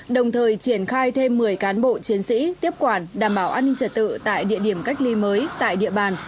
đồng thời triển khai thêm một mươi cán bộ chiến sĩ tiếp quản đảm bảo an ninh trật tự tại địa điểm cách ly mới tại địa bàn